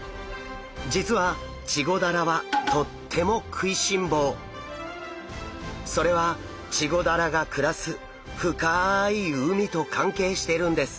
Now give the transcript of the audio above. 実はチゴダラはとってもそれはチゴダラが暮らす深い海と関係してるんです。